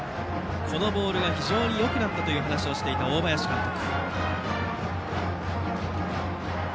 このボールが非常によくなったと話していた大林監督。